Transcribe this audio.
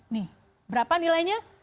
nih berapa nilainya